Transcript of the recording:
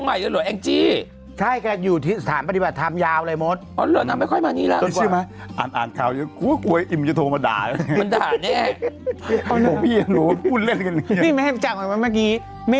นั่นที่คุณทำไปที่เลยนะครับผมนะเทพพระภิรุณอย่างงี้